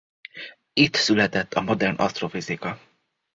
Itt született a modern asztrofizika.